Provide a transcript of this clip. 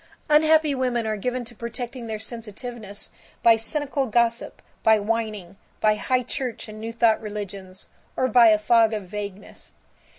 Unhappy women are given to protecting their sensitiveness by cynical gossip, by whining, by high church and new thought religions, or by a fog of vagueness.